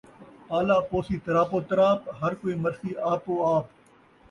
پالا پوسی تراپو تراپ، ہر کوئی مرسی آپو آپ